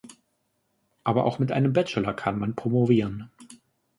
Aber auch mit einem Bachelor kann man promovieren.